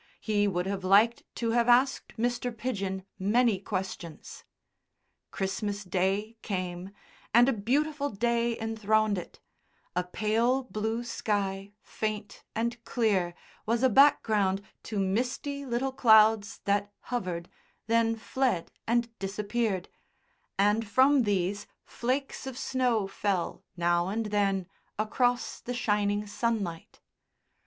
He would have liked to have asked Mr. Pidgen many questions. Christmas Day came, and a beautiful day enthroned it: a pale blue sky, faint and clear, was a background to misty little clouds that hovered, then fled and disappeared, and from these flakes of snow fell now and then across the shining sunlight.